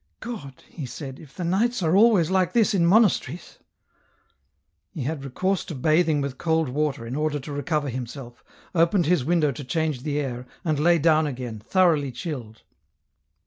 " God," he said, " if the nights are always like this in monasteries !" He had recourse to bathing with cold water in order to recover himself, opened his window to change the air, and lay down again, thoroughly chilled.